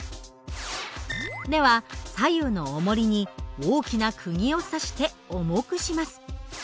では左右のおもりに大きなくぎを刺して重くします。